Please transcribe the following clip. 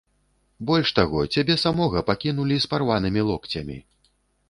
Больш таго, цябе самога пакінулі з парванымі локцямі.